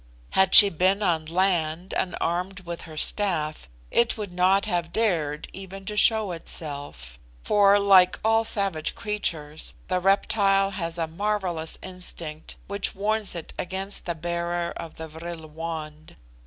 Had she been on land and armed with her staff, it would not have dared even to show itself; for, like all savage creatures, the reptile has a marvellous instinct, which warns it against the bearer of the vril wand.